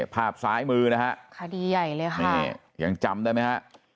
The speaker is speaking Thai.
ภาพซ้ายมือนะฮะคดีใหญ่เลยค่ะนี่ยังจำได้ไหมฮะ